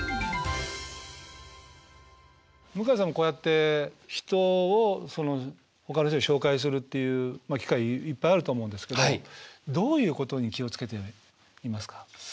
向井さんもこうやって人をそのほかの人に紹介するっていう機会いっぱいあると思うんですけどどういうことに気をつけていますか？